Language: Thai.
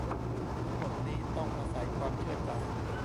ทั้งหมดนี้ต้องอาศัยความเชื่อใจ